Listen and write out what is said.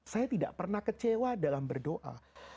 saya tidak pernah kecewa dalam berdoa